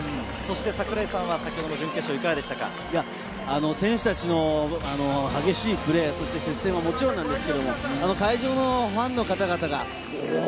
櫻井さんは先ほどの準決選手たちの激しいプレー、接戦はもちろんですけれど、会場のファンの方々のおぉ！